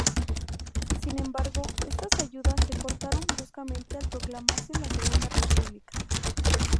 Sin embargo, estas ayudas se cortaron bruscamente al proclamarse la Segunda República.